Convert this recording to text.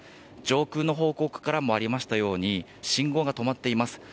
上空の報告からもありましたように信号が止まっています。